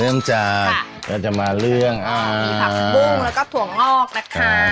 เริ่มจากเราจะมาเรื่องอ่ามีผักบุ้งแล้วก็ถั่วงอกนะคะ